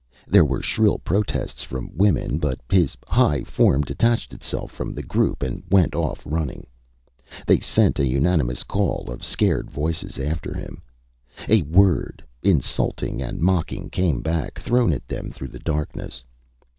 There were shrill protests from women but his high form detached itself from the group and went off running. They sent an unanimous call of scared voices after him. A word, insulting and mocking, came back, thrown at them through the darkness.